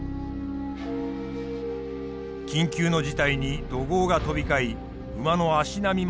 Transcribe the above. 緊急の事態に怒号が飛び交い馬の足並みもそろわない。